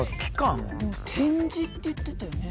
展示って言ってたよね。